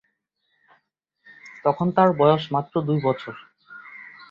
তখন তার বয়স মাত্র দুই বছর।